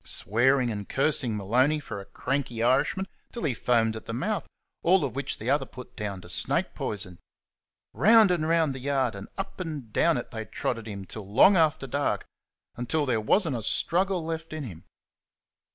swearing and cursing Maloney for a cranky Irishman till he foamed at the mouth, all of which the other put down to snake poison. Round and round the yard and up and down it they trotted him till long after dark, until there was n't a struggle left in him.